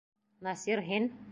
Насир, һин?